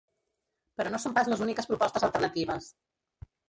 Però no són pas les úniques propostes alternatives.